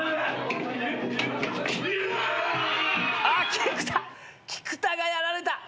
菊田菊田がやられた。